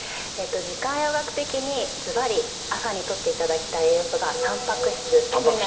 時間栄養学的にずばり朝にとっていただきたい栄養素がたんぱく質になります。